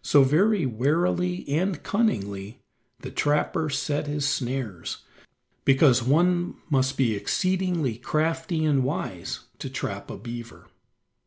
So, very warily and cunningly, the trapper set his snares, because one must be exceedingly crafty and wise to trap a beaver.